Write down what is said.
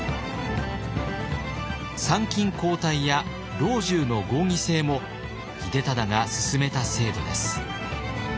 参勤交代や老中の合議制も秀忠が進めた制度です。